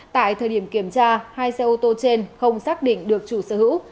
tại thời điểm kiểm tra hai xe ô tô trên không xác định được chủ sở hữu